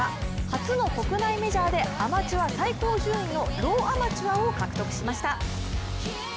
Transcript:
初の国内メジャーでアマチュア最高順位のローアマチュアを獲得しました。